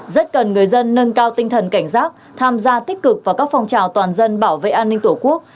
rất cần người dân nâng cao tinh thần cảnh giác tham gia tích cực vào các phong trào toàn dân bảo vệ an ninh tổ quốc